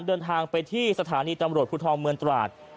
เดินทางไปที่สถานีตำรวจภูทรเมืองตราด